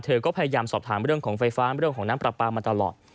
เธอก็พยายามสอบถามเรื่องของไฟฟ้าเรื่องของน้ำปลาปลามาตลอด